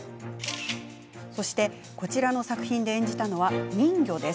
そしてこちらの作品で演じたのは人魚。